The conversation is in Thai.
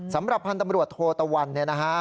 สำหรับพันธ์ตำรวจโทตะวันเนี่ยนะฮะ